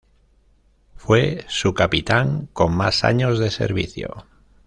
Fue su capitán con más años de servicio.